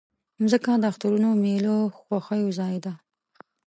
مځکه د اخترونو، میلو، خوښیو ځای ده.